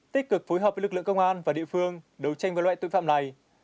tích cực phối hợp với lực lượng công an và địa phương đấu tranh với loại tội phạm này